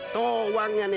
tuh uangnya nih